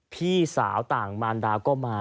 พี่สาวต่างมารดาก็มา